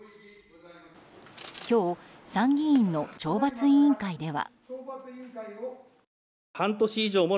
今日参議院の懲罰委員会では。